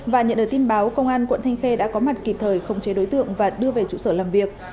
và nhận được tin báo công an quận thanh khê đã có mặt kịp thời khống chế đối tượng và đưa về trụ sở làm việc